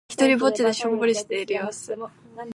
ひとりっぼちでしょんぼりしている様子。